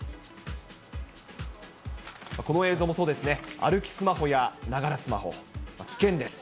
この映像もそうですね、歩きスマホやながらスマホ、危険です。